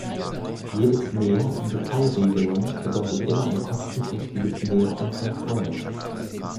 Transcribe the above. Jedes Mehr an Detailregelung bedeutet immer ein kostenträchtiges Mehr an Kontrolle.